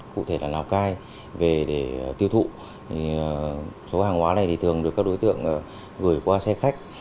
cụ thể là lào cai về để tiêu thụ số hàng hóa này thường được các đối tượng gửi qua xe khách